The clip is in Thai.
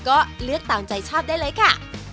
ก็เลือกตามใจชอบได้เลยค่ะ